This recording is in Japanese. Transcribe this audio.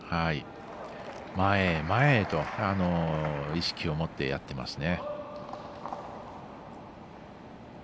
前へ、前へと意識を持ってやっていますね。